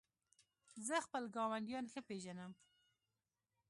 زه خپل ګاونډیان ښه پېژنم.